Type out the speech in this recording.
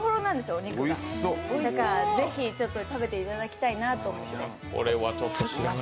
お肉が、なので、ぜひ食べていただきたいなと思って。